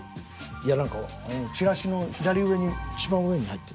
いや何かチラシの左上にいちばん上に入ってる。